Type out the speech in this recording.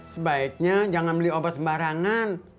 sebaiknya jangan beli obat sembarangan